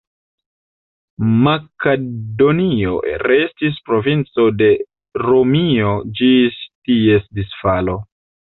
Makedonio restis provinco de Romio ĝis ties disfalo.